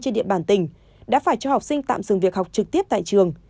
trên địa bàn tỉnh đã phải cho học sinh tạm dừng việc học trực tiếp tại trường